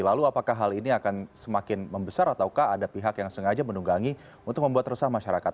lalu apakah hal ini akan semakin membesar ataukah ada pihak yang sengaja menunggangi untuk membuat resah masyarakat